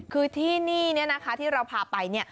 คือที่นี่ที่เราพาไป